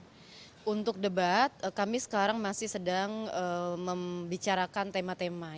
nah untuk debat kami sekarang masih sedang membicarakan tema tema